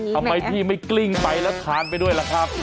ทำไมพี่ไม่กลิ้งไปแล้วทานไปด้วยล่ะครับ